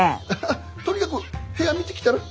ハハッとにかく部屋見てきたら？